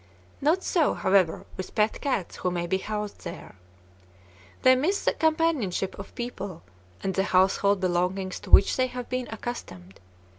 Not so, however, with pet cats who may be housed there. They miss the companionship of people, and the household belongings to which they have been accustomed.